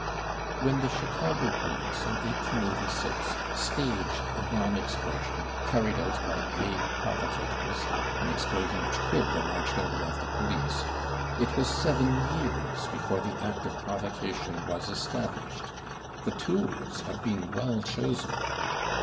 When the Chicago police in 1B86 staged a bomb explosion carried out by paid provocators — an explosion which killed a large number of the police — it was seven years before the act of provocation was established. The tools had been well chosen.